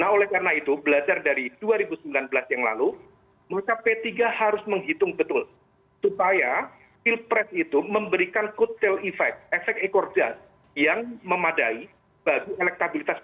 jadi kalau misalnya p tiga itu belajar dari dua ribu sembilan belas yang lalu maka p tiga harus menghitung betul supaya pilpres itu memberikan coattail effect efek ekor gas yang memadai bagi elektabilitas p tiga